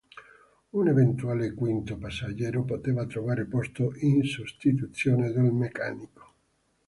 Un eventuale quinto passeggero poteva trovare posto in sostituzione del meccanico.